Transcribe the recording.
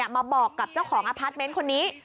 มาบอกกับเจ้าของอพาร์ทเมนต์คนนี้